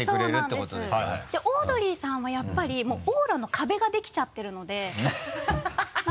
でオードリーさんはやっぱりもうオーラの壁ができちゃってるのでハハハ